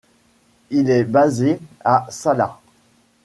Il est basé à Šaľa.